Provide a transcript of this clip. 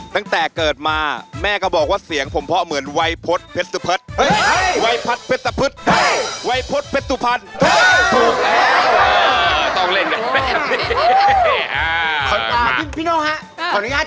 ตั้งแต่เกิดมาแม่ก็บอกเสี่ยงผมพ่อเหมือนไหวพดเป็ดปุด